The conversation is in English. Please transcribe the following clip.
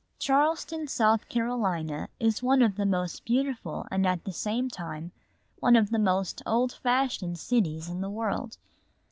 Charleston, South Carolina, is one of the most beautiful and at the same time one of the most old fashioned cities in the world.